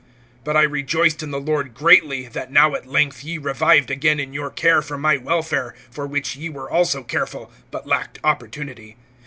(10)But I rejoiced in the Lord greatly, that now at length ye revived again in your care for my welfare; for which ye were also careful, but lacked opportunity.